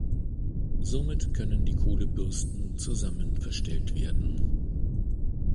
Somit können die Kohlebürsten zusammen verstellt werden.